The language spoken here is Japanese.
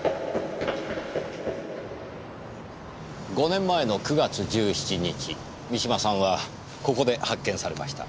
５年前の９月１７日三島さんはここで発見されました。